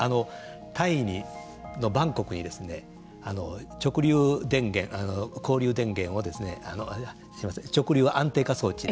タイのバンコクに直流電源交流電源を直流安定化装置